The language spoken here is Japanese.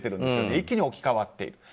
一気に置き換わっている。